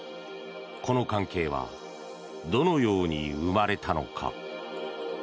この関係はどのように生まれたのか。